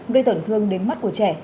gây tổn thương đến mắt của trẻ